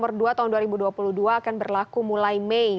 nomor dua tahun dua ribu dua puluh dua akan berlaku mulai mei